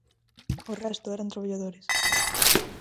O resto eran traballadores.